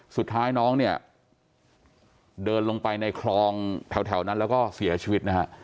สุดท้ายน้องเนี่ยเดินลงไปในคลองแถวนั้นแล้วก็เสียชีวิตนะฮะ